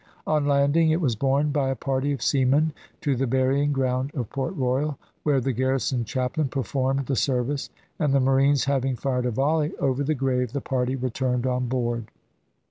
On landing it was borne by a party of seamen to the burying ground of Port Royal, where the garrison chaplain performed the service, and the marines having fired a volley over the grave, the party returned on board.